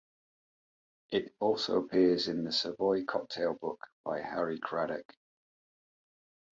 It also appears in "The Savoy Cocktail Book" by Harry Craddock.